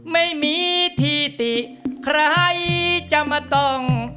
ไม่มีที่ติใครจะมาต้อง